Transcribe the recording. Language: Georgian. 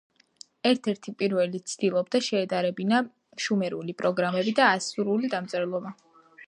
ერთ-ერთი პირველი ცდილობდა შეედარებინა შუმერული პიქტოგრამები და ასურული დამწერლობა.